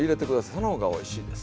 その方がおいしいです。